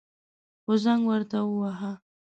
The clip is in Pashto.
خو زنگ ورته وواهه.